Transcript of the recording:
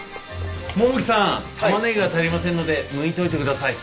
桃木さんタマネギが足りませんのでむいておいてください。